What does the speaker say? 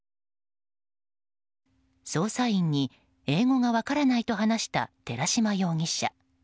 捜査員に英語が分からないと話した、寺島容疑者。